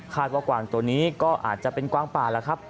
ว่ากวางตัวนี้ก็อาจจะเป็นกวางป่าแล้วครับ